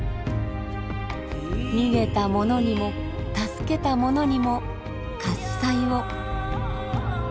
逃げた者にも助けた者にも喝采を。